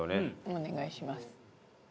お願いします。